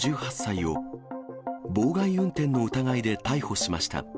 ５８歳を、妨害運転の疑いで逮捕しました。